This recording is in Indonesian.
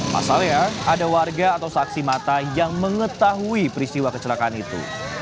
pasalnya ada warga atau saksi mata yang mengetahui peristiwa kecelakaan itu